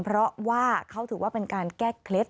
เพราะว่าเขาถือว่าเป็นการแก้เคล็ด